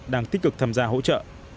đang tích cực tham gia hỗ trợ